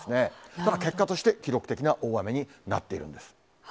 ただ結果として、記録的な大雨になっているんです。